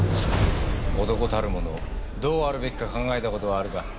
男たるものどうあるべきか考えた事はあるか？